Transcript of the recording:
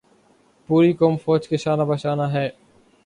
پوری قوم فوج کے شانہ بشانہ ہے۔